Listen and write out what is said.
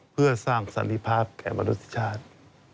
เพื่อสร้างสันติภาพแก่มนุษย์ชาติ